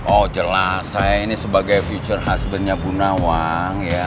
oh jelas saya ini sebagai future husbandnya bu nawang ya